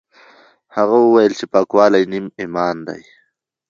هغه وویل چې پاکوالی نیم ایمان دی.